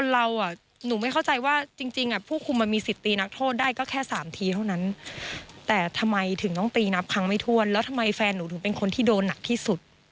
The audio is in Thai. แล้วทำไมแฟนหนูถึงเป็นคนที่โดนหนักที่สุด